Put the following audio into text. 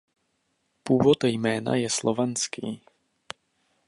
Původ jména je slovanský.